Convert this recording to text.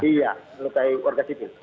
iya melukai warga sipil